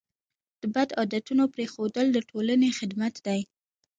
د بد عادتونو پرېښودل د ټولنې خدمت دی.